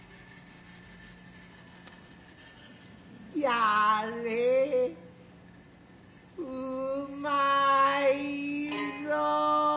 やれうまいぞの。